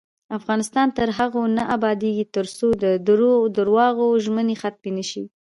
افغانستان تر هغو نه ابادیږي، ترڅو د درواغو ژمنې ختمې نشي.